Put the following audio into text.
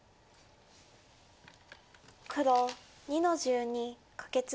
黒２の十二カケツギ。